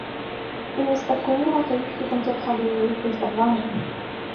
إن يسألكموها فيحفكم تبخلوا ويخرج أضغانكم